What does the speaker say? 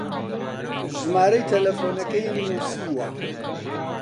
ژمارەی تەلەفۆنەکەیم نووسیوە.